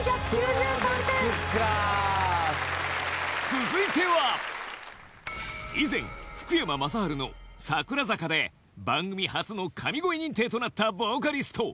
続いては以前福山雅治の『桜坂』で番組初の神声認定となったボーカリスト